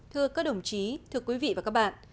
thưa các đồng chí thưa quý vị và các bạn